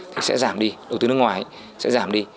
thì sẽ giảm đi đầu tư nước ngoài sẽ giảm đi